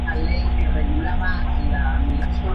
Esto ayuda a reducir significativamente la carga de red.